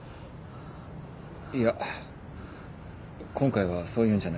いや今回はそういうんじゃないんだ。